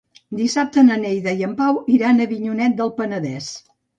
Dissabte na Neida i en Pau iran a Avinyonet del Penedès.